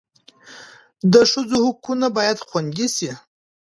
د ښځو حقونه باید خوندي سي.